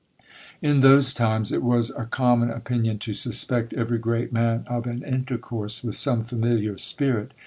In those times, it was a common opinion to suspect every great man of an intercourse with some familiar spirit.